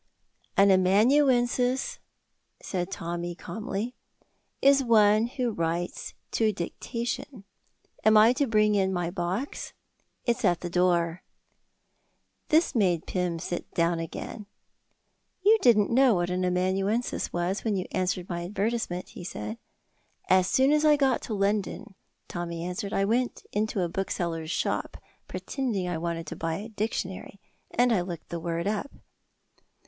"An amanuensis," said Tommy, calmly, "is one who writes to dictation. Am I to bring in my box? It's at the door." This made Pym sit down again. "You didn't know what an amanuensis was when you answered my advertisement," he said. "As soon as I got to London," Tommy answered, "I went into a bookseller's shop, pretending I wanted to buy a dictionary, and I looked the word up."